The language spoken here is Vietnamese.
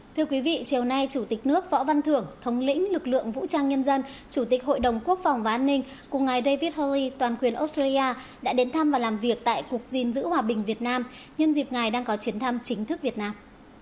thưa quý vị chiều nay chủ tịch nước võ văn thưởng thống lĩnh lực lượng vũ trang nhân dân chủ tịch hội đồng quốc phòng và an ninh cùng ngày david holli toàn quyền australia đã đến thăm và làm việc tại cục diên dữ hòa bình việt nam nhân dịp ngày đang có chuyến thăm chính thức việt nam